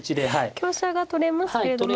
香車が取れますけれども。